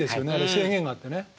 制限があってね。